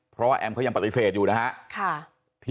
เพราะว่าแอมเขายังปฏิเสธอยู่นะฮะ